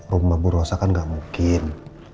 rumah buru asah kan gak mungkin